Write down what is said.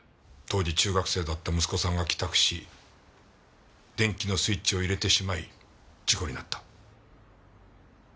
当時中学生だった息子さんが帰宅し電気のスイッチを入れてしまい事故になった。